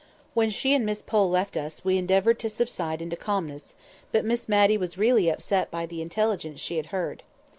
When she and Miss Pole left us we endeavoured to subside into calmness; but Miss Matty was really upset by the intelligence she had heard.